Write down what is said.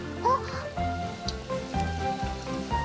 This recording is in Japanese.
あっ！